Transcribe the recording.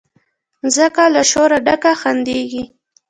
مځکه له شوره ډکه خندیږي